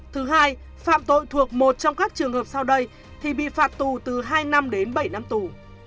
thứ hai phạm tội thuộc một trong các trường hợp sau đây thì bị phạt tù từ hai năm đến bảy năm tù